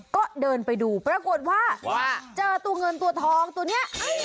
ก็เดินไปดูปรากฏว่าเจอตัวเงินตัวทองตัวนี้